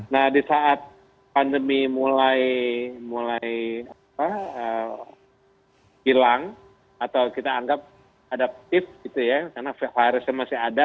nah di saat pandemi mulai hilang atau kita anggap adaptif gitu ya karena virusnya masih ada